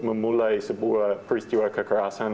memulai sebuah peristiwa kekerasan